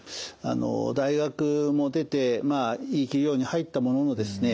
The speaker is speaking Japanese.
大学も出ていい企業に入ったもののですね